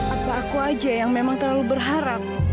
apa aku aja yang memang terlalu berharap